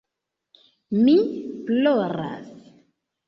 Mi ploras.